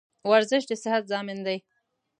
ورزش دصحت ضامن دي.